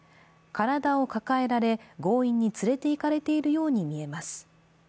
体を抱えられ、強引に連れて行かれているように見えます。